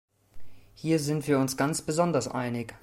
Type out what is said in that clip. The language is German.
Hier sind wir uns ganz besonders einig.